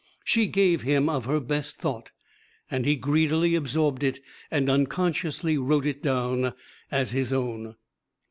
She gave him of her best thought, and he greedily absorbed it and unconsciously wrote it down as his own.